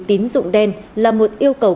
tín dụng đen là một yêu cầu